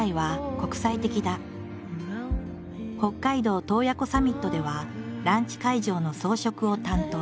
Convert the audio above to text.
北海道洞爺湖サミットではランチ会場の装飾を担当。